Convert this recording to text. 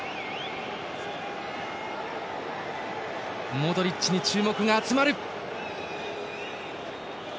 モドリッチに注目が集まる。